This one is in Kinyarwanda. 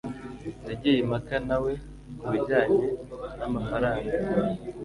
yagiye impaka na we ku bijyanye n'amafaranga